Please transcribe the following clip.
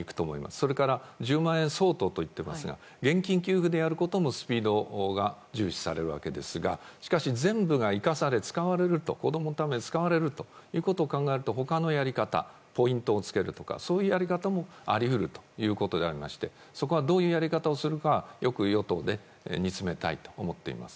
それから１０万円相当と言っていますが現金給付であることのスピードが重視されるわけですがしかし全部が生かされ子供のために使われるということを考えると他のやり方、ポイントをつけるとかいうやり方もあり得るということでありましてそこはどういうやり方をするかよく与党で見つめたいと思っています。